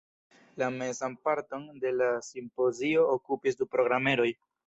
La mezan parton de la simpozio okupis du programeroj.